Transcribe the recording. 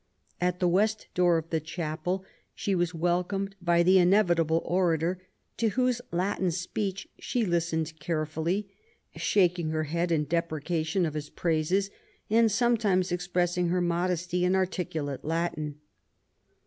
At the west door of the chapel she was welcomed by the inevitable orator, to whose Latin speech she listened carefully, shaking her head in deprecation of his praises, and sometimes expres sing her modesty in articulate Latin.